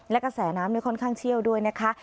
แล้วก็แสนน้ำเนี้ยค่อนข้างเชี่ยวด้วยนะคะ